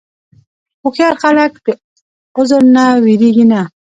هوښیار خلک د عذر نه وېرېږي نه.